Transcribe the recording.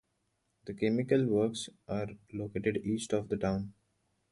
The chemical works are located east of the town.